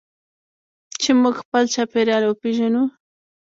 چې موږ خپل چاپیریال وپیژنو.